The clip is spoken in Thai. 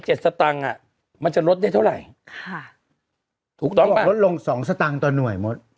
สตางค์อ่ะมันจะลดได้เท่าไหร่ค่ะถูกต้องบอกลดลงสองสตางค์ต่อหน่วยมด